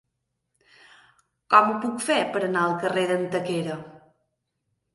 Com ho puc fer per anar al carrer d'Antequera?